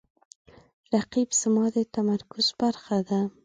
رقیب زما د تمرکز برخه ده